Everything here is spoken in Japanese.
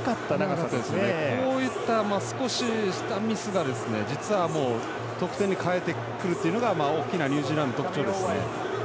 こういった、少ししたミスが実は得点に変えてくるというのが大きなニュージーランドの特徴ですね。